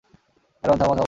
Aaron, থামো, থামো।